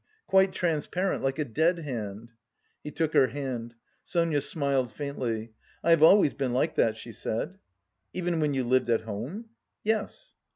Quite transparent, like a dead hand." He took her hand. Sonia smiled faintly. "I have always been like that," she said. "Even when you lived at home?" "Yes."